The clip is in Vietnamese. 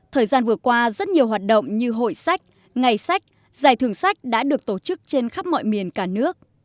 thời gian vừa qua rất nhiều hoạt động như hội sách ngày sách giải thưởng sách đã được tổ chức trên khắp mọi miền cả nước